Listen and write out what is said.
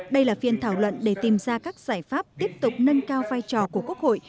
đây là phiên thảo luận để tìm ra các giải pháp tiếp tục nâng cao vai trò của quốc hội